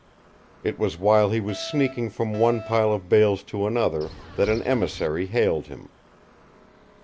It was while he was sneaking from one pile of bales to another that an emissary hailed him.